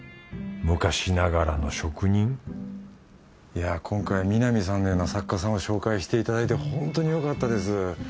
昔ながらの職人いや今回南さんのような作家さんを紹介していただいてホントによかったです。